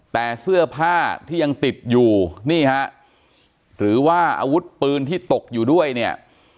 แต่เสื้อผ้าที่ยังติดอยู่นี่ฮะหรือว่าอาวุธปืนที่ตกอยู่ด้วยเนี่ย